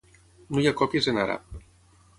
No hi ha còpies en àrab.